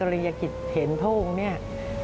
เห็นพระราชกริยกิจเห็นพระองค์เนี่ย